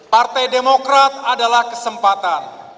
partai demokrat adalah kesempatan